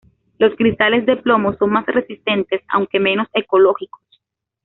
Los cristales de plomo son más resistentes, aunque menos ecológicos.